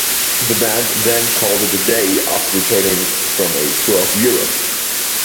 The band then called it a day after returning from a tour of Europe.